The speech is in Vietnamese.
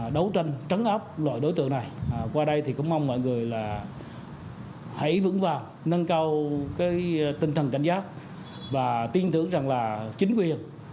đầu năm hai nghìn một mươi tám đến nay